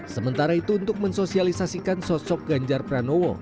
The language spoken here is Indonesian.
sementara itu untuk mensosialisasikan sosok ganjar pranowo